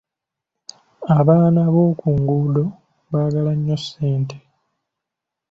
Abaana b’oku nguundo baagala nnyo ssente.